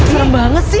serem banget sih